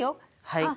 はい。